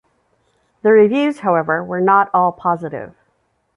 The reviews, however, were not all positive.